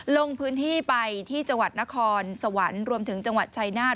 ลงพื้นที่ไปที่จังหวัดนครสวรรค์รวมถึงจังหวัดชายนาฏ